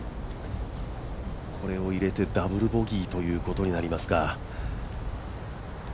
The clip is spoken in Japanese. これを入れてダブルボギーということになりますか。